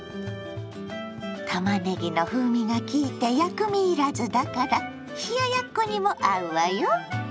たまねぎの風味が効いて薬味いらずだから冷ややっこにも合うわよ。